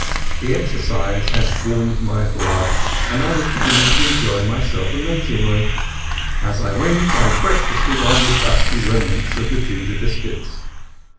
The exercise had warmed my blood, and I was beginning to enjoy myself amazingly. As I went I breakfasted on the dusty remnants of the ginger biscuits.